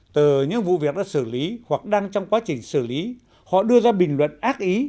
từ những vụ việc đã xử lý hoặc đang trong quá trình xử lý họ đưa ra bình luận ác ý